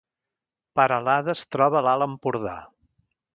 Peralada es troba a l’Alt Empordà